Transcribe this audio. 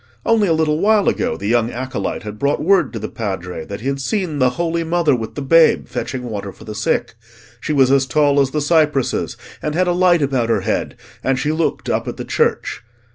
Only a little while ago, the young acolyte had brought word to the Padre that he had seen the Holy Mother with the Babe, fetching water for the sick: she was as tall as the cypresses, and had a light about her head, and she looked up at the church.